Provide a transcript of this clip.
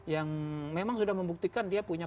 yang memang sudah membuktikan dia punya